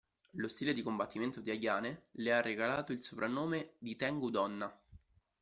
Lo stile di combattimento di Ayane le ha regalato il soprannome di "tengu donna".